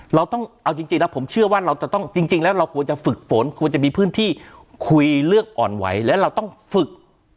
เราต้องเอาจริงนะผมเชื่อว่าเราจะต้องจริงแล้วเราควรจะฝึกฝนควรจะมีพื้นที่คุยเลือกอ่อนไหวและเราต้องฝึก